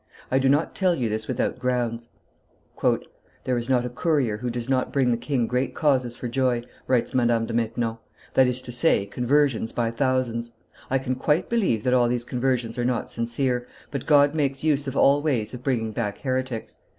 I do not tell you this without grounds." "There is not a courier who does not bring the king great causes for joy," writes Madame de Maintenon, "that is to say, conversions by thousands. I can quite believe that all these conversions are not sincere, but God makes use of all ways of bringing back heretics.